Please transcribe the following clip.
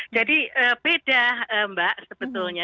jadi beda mbak sebetulnya